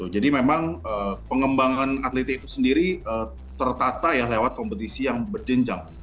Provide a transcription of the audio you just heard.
jadi memang pengembangan atlet itu sendiri tertata ya lewat kompetisi yang berjenjang